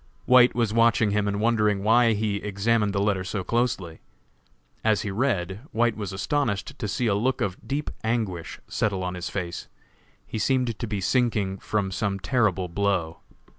White was watching him and wondered why he examined the letter so closely. As he read, White was astonished to see a look of deep anguish settle on his face. He seemed to be sinking from some terrible blow.